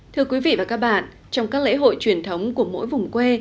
thưa quý vị và các bạn trong các lễ hội truyền thống của mỗi vùng quê